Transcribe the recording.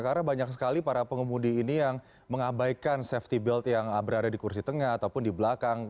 karena banyak sekali para pengemudi ini yang mengabaikan safety belt yang berada di kursi tengah ataupun di belakang